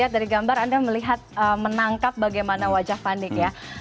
dari gambar anda melihat menangkap bagaimana wajah panik ya